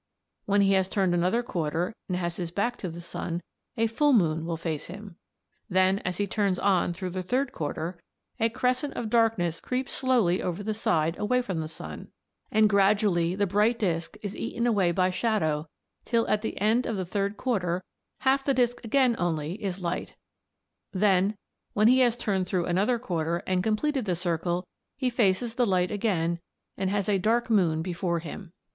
When he has turned another quarter, and has his back to the sun, a full moon will face him. Then as he turns on through the third quarter a crescent of darkness creeps slowly over the side away from the sun, and gradually the bright disc is eaten away by shadow till at the end of the third quarter half the disc again only is light; then, when he has turned through another quarter and completed the circle, he faces the light again and has a dark moon before him.